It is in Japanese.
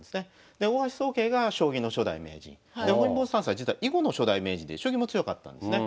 で大橋宗桂が将棋の初代名人。で本因坊算砂は実は囲碁の初代名人で将棋も強かったんですね。